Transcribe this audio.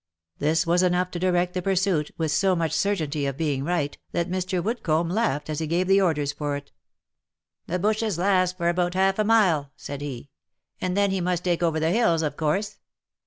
This was enough to direct the pursuit, with so much certainty of being right, that Mr. Woodcomb laughed as he gave the orders for it. " The bushes last for about half a mile," said he, " and then he must take over the hills, of course.